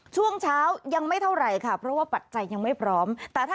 ช่วงเช้ายังไม่เท่าไหร่ค่ะเพราะว่าปัจจัยยังไม่พร้อมแต่ถ้า